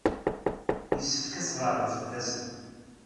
Yessefk ad tbeɛɛdeḍ fell-asen.